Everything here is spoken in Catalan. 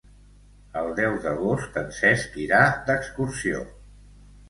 El deu d'agost en Cesc irà d'excursió.